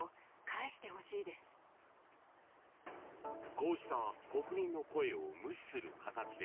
こうした国民の声を無視する形で